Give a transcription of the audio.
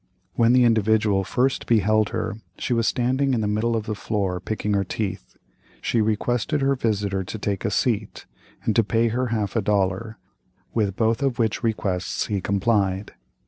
When the Individual first beheld her, she was standing in the middle of the floor, picking her teeth. She requested her visitor to take a seat, and to pay her half a dollar, with both of which requests he complied.